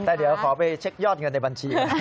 แต่เดี๋ยวขอไปเช็คยอดเงินในบัญชี